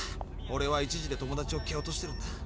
オレは１次で友達をけ落としてるんだ。